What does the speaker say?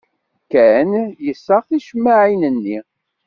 Ken yessaɣ ticemmaɛin-nni.